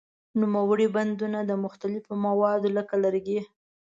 نوموړي بندونه د مختلفو موادو لکه لرګي.